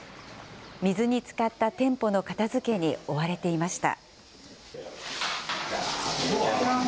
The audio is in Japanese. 水につかった店舗の片づけに追われていました。